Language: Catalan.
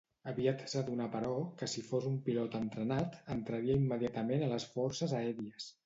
Aviat s'adonà però, que si fos un pilot entrenat, entraria immediatament a les forces aèries.